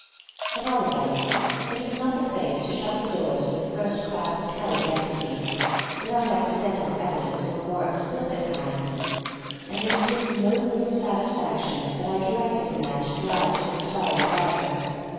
At all events it was not the face to shut the doors of a first class hotel against me, without accidental evidence of a more explicit kind, and it was with no little satisfaction that I directed the man to drive to the Star and Garter.